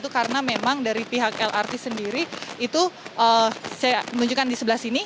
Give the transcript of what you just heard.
karena memang dari pihak lrt sendiri saya menunjukkan di sebelah sini